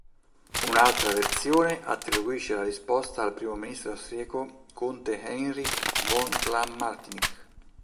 Un'altra versione attribuisce la risposta al primo ministro austriaco conte Heinrich von Clam-Martinic.